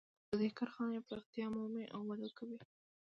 د دې کارخانې پراختیا مومي او وده کوي